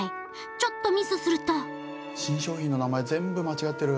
ちょっとミスすると新商品の名前全部間違ってる。